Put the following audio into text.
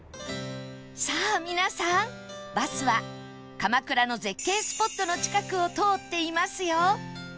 さあ皆さんバスは鎌倉の絶景スポットの近くを通っていますよ